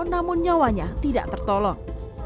namun nyawanya tidak tertolong